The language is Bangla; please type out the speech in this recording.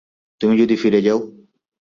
তুমি যদি ফিরে যাও।